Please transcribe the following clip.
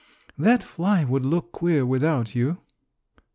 "That fly would look queer without you."